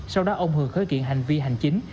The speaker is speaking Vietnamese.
sau đó ông hường khởi kiện hành vi hành chính